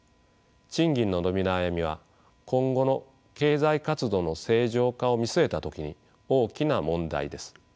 賃金の伸び悩みは今後の経済活動の正常化を見据えた時に大きな問題です。